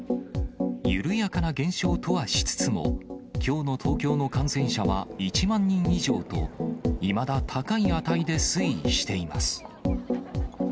緩やかな減少とはしつつも、きょうの東京の感染者は１万人以上と、いまだ高い値で推移しています。